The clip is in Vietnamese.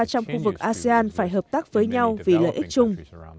trong khu vực asean phải hợp tác với nhau vì lợi ích chung